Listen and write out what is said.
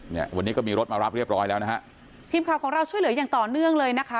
เนี่ยวันนี้ก็มีรถมารับเรียบร้อยแล้วนะฮะทีมข่าวของเราช่วยเหลืออย่างต่อเนื่องเลยนะคะ